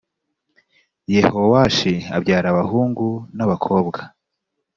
yehowashi abyara abahungu n’ abakobwa